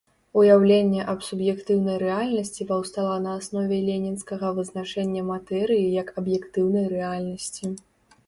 Уяўленне аб суб'ектыўнай рэальнасці паўстала на аснове ленінскага вызначэння матэрыі як аб'ектыўнай рэальнасці.